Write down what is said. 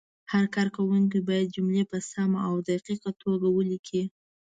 هر کارونکی باید جملې په سمه او دقیقه توګه ولیکي.